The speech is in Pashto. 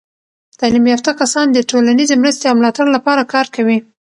تعلیم یافته کسان د ټولنیزې مرستې او ملاتړ لپاره کار کوي.